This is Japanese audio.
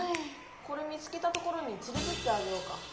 これ見つけたところにつれてってあげようか？